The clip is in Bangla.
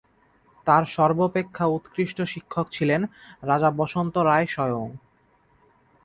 তার সর্বাপেক্ষা উৎকৃষ্ট শিক্ষক ছিলেন রাজা বসন্ত রায় স্বয়ং।